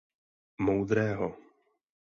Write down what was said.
Moudrého.